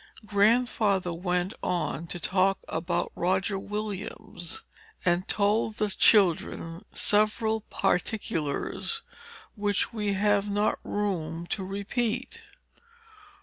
Grandfather went on to talk about Roger Williams, and told the children several particulars, which we have not room to repeat.